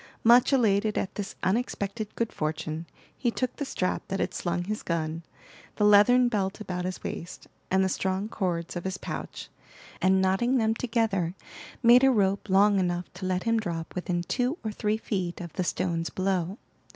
Much elated at this unexpected good fortune, he took the strap that had slung his gun, the leathern belt about his waist, and the strong cords of his pouch, and knotting them together, made a rope long enough to let him drop within two or three feet of the stones below.